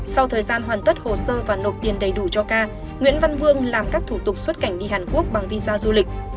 sau thời gian hoàn tất hồ sơ và nộp tiền đầy đủ cho ca nguyễn văn vương làm các thủ tục xuất cảnh đi hàn quốc bằng visa du lịch